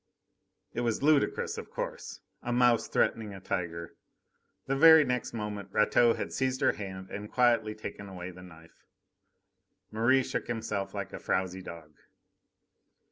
It was ludicrous, of course. A mouse threatening a tiger. The very next moment Rateau had seized her hand and quietly taken away the knife. Merri shook himself like a frowsy dog.